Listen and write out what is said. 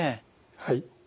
はい。